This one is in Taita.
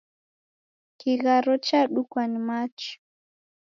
Kigharo chadukwa ni machi.